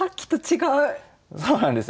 そうなんですよね。